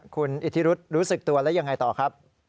คุณอิทธิรุธรู้สึกตัวแล้วยังไงต่อครับ